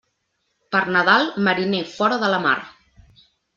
Per Nadal, mariner fora de la mar.